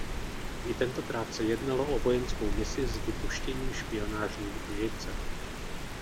I tentokrát se jednalo o vojenskou misi s vypuštěním špionážní družice.